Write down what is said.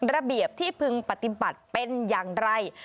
ระเบียบที่พึงปฏิบัติเป็นอย่างไร